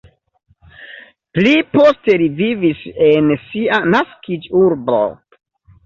Pli poste li vivis en sia naskiĝurbo.